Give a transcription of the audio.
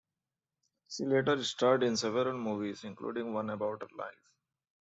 She later starred in several movies, including one about her life.